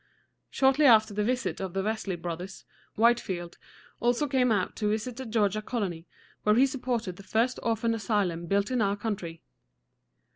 Shortly after the visit of the Wesley brothers, White´field also came out to visit the Georgia colony, where he supported the first orphan asylum built in our country.